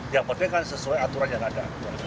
yang penting kan sesuai aturan yang ada